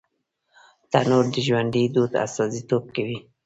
تنور د ژوندي دود استازیتوب کوي